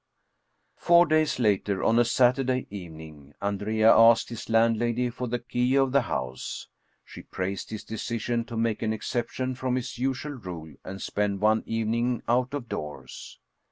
Four days later, on a Saturday evening, Andrea asked his landlady for the key of the house. She praised his de cision to make an exception from his usual rule and spend one evening out of doors.